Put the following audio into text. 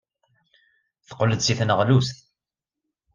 Teqqel-d seg tneɣlust.